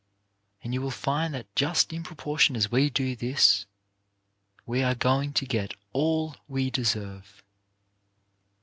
And you will find that just in proportion as we do this, we are going to get all we deserve.